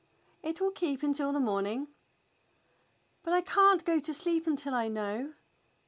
"It will keep until the morning." "But I can't go to sleep until I know."